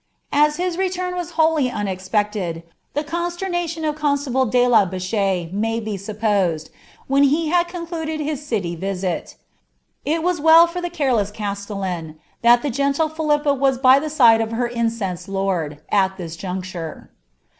As his return was wholly unexpected, the consternation of con stable de la Beche may be supposed, when he had concluded his city ▼int. It was well for the careless castellan, that the gentle Philippa was hj the side of her incensed lord, at that juncture.